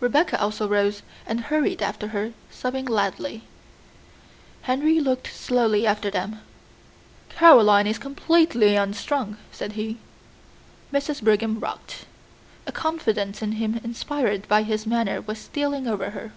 Rebecca also rose and hurried after her, sobbing loudly. Henry looked slowly after them. "Caroline is completely unstrung," said he. Mrs. Brigham rocked. A confidence in him inspired by his manner was stealing over her.